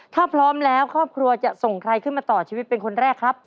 ถ้าพร้อมแล้วครอบครัวจะส่งใครขึ้นมาต่อชีวิตเป็นคนแรกครับ